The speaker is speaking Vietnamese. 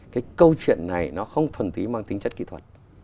cái câu chuyện này nó không thuần tí mang tính chất kỹ thuật